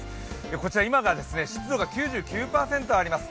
こちら今が湿度が９９％あります。